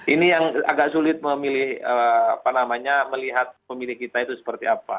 ini yang agak sulit memilih melihat pemilih kita itu seperti apa